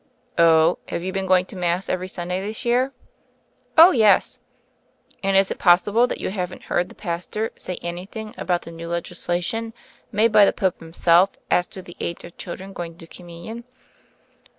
"Oh — have you been going to Mass every Sunday this year?" "Oh, yes." "And is it possible that you haven't heard the pastor say anything about the new legisla tion made by the Pope himself as to the age of children going to Communion?"